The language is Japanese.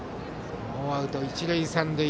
ノーアウト一塁三塁。